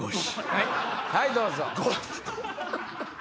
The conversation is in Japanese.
はいどうぞ。